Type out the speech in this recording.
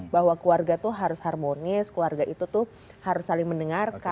bahwa keluarga tuh harus harmonis keluarga itu tuh harus saling mendengarkan